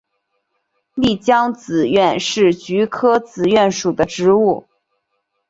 丽江紫菀是菊科紫菀属的植物。